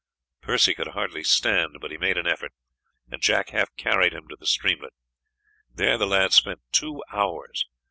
Percy could hardly stand, but he made an effort, and Jack half carried him to the streamlet. There the lads spent two hours.